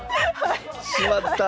しまった。